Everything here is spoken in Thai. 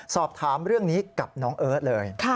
สอบถามเรื่องนี้กับน้องเอิร์ทเลย